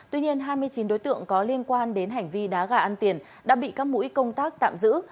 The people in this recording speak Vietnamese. tuy nhiên hai mươi chín đối tượng có liên quan đến hành vi đá gà ăn tiền đã bị các mũi công tác tạm giữ